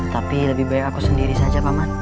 tapi lebih baik aku sendiri saja pak man